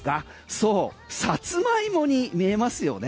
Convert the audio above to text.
そう、サツマイモに見えますよね。